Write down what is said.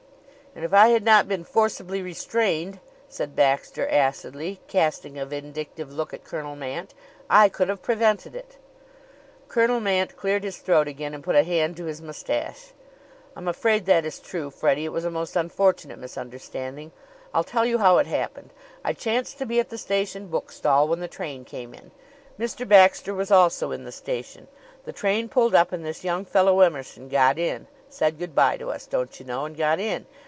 "And if I had not been forcibly restrained," said Baxter acidly, casting a vindictive look at Colonel Mant, "I could have prevented it." Colonel Mant cleared his throat again and put a hand to his mustache. "I'm afraid that is true, Freddie. It was a most unfortunate misunderstanding. I'll tell you how it happened: I chanced to be at the station bookstall when the train came in. Mr. Baxter was also in the station. The train pulled up and this young fellow Emerson got in said good by to us, don't you know, and got in.